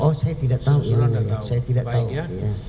oh saya tidak tahu